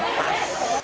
baru melaksanakan pas